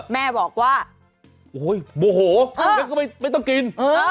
แม่บอกว่าโอ้โหไม่ต้องกิน